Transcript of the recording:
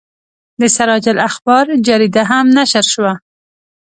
د سراج الاخبار جریده هم نشر شوه.